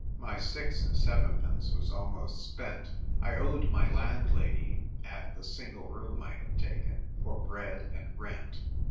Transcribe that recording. My six and sevenpence was almost spent. I owed my landlady (at the single room I had taken) for bread and rent.